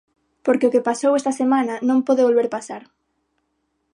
Porque o que pasou esta semana non pode volver pasar.